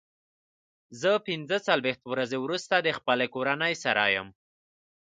زه پنځه څلوېښت ورځې وروسته د خپلې کورنۍ سره یم.